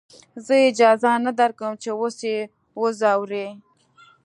زه اجازه نه درکم چې اوس يې وځورې.